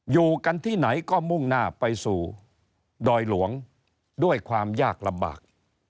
อยู่กันที่ไหนก็มุ่งหน้าไปสู่ดอยหลวงด้วยความยากลำบาก